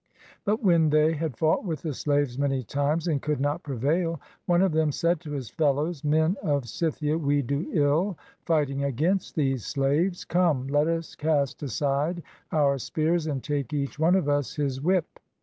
But when they had fought with the slaves many times and could not prevail, one of them said to his fellows: "Men of Scythia, we do ill, fighting against these slaves. Come, let us cast aside our spears and take each one of us his whip.